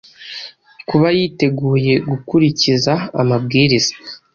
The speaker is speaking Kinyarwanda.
Kuba yiteguye gukurikiza amabwiriza